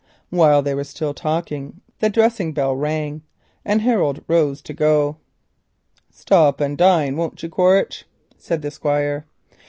While they were still talking the dressing bell rang, and Harold rose to go. "Stop and dine, won't you, Quaritch?" said the Squire.